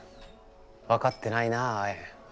分かってないなアエン。